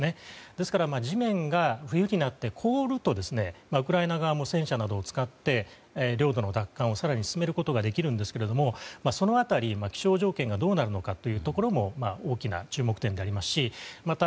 ですから地面が冬になって凍るとウクライナ側も戦車などを使って領土の奪還を更に進めることができるんですけれどもその辺り、気象条件がどうなるのかというところも大きな注目点ですしまた